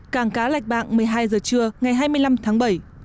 càng cá lạch bạc một mươi hai h trưa ngày hai mươi năm tháng bảy